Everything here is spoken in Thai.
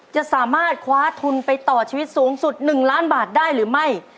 จะสามารถคว้าทุนไปต่อชีวิตสูงสุด๑ล้านบาทได้หรือไม่